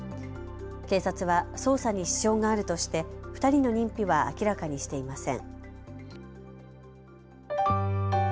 警察は捜査に支障があるとして２人の認否は明らかにしていません。